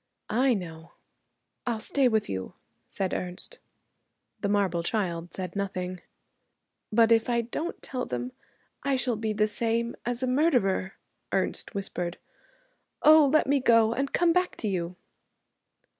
'I know.' 'I'll stay with you,' said Ernest. The marble child said nothing. 'But if I don't tell them I shall be the same as a murderer,' Ernest whispered. 'Oh! let me go, and come back to you.'